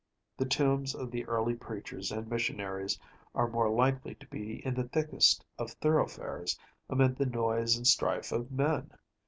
The tombs of the early preachers and missionaries are more likely to be in the thickest of thoroughfares, amid the noise and strife of men.